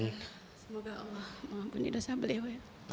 semoga allah mengampuni dosa beliau